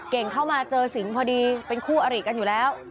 เข้ามาเจอสิงห์พอดีเป็นคู่อริกันอยู่แล้ว